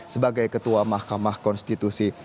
sebagai ketua mahkamah konstitusi